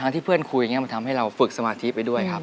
ที่เพื่อนคุยอย่างนี้มันทำให้เราฝึกสมาธิไปด้วยครับ